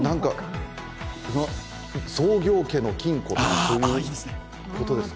創業家の金庫ということですか。